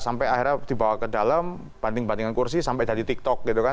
sampai akhirnya dibawa ke dalam banding bandingan kursi sampai jadi tiktok gitu kan